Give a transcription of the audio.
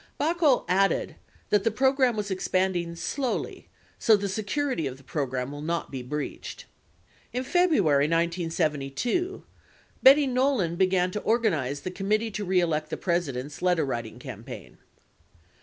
43 Baukol added the program was expanding "slowly, so the security of the program will not be breached." 44 In February, 1972, Betty Nolan began to organize the Committee To Re Elect the President's letterwriting campaign.